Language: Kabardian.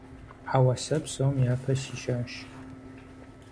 Ауэ сэ псом япэ сищащ.